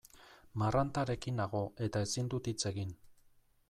Marrantarekin nago eta ezin dut hitz egin.